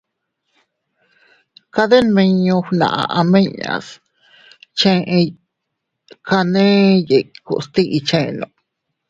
Kade nmiñu fnaʼa am inñas scheyas taney ikus tiʼi chenno.